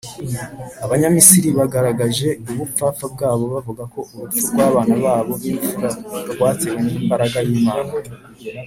abanyamisiri bagaragaje ubupfapfa bwabo bavuga ko urupfu rw’abana babo b’imfura rwatewe n’imbaraga y’imana.